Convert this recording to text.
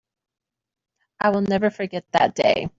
I will never forget that day.